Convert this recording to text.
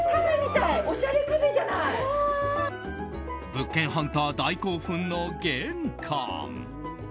物件ハンター大興奮の玄関。